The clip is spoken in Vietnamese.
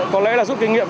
có lẽ là giúp kinh nghiệm